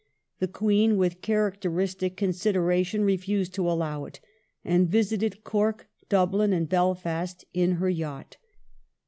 The Queen with characteristic consideration refused to allow it, and visited Cork, Dublin, and Belfast in her yacht.